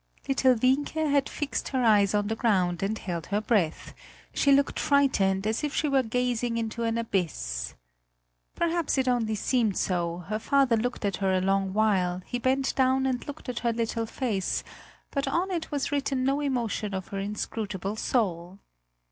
Little Wienke had fixed her eyes on the ground and held her breath; she looked frightened as if she were gazing into an abyss. Perhaps it only seemed so; her father looked at her a long while, he bent down and looked at her little face, but on it was written no emotion of her inscrutable soul.